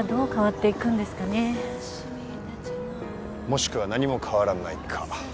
もしくは何も変わらないか。